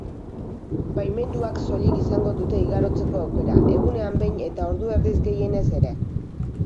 Baimenduak soilik izango dute igarotzeko aukera, egunean behin eta ordu erdiz gehienez ere